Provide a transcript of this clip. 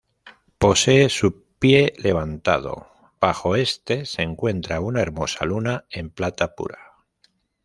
Posee su pie levantado, bajo este se encuentra una hermosa luna en plata pura.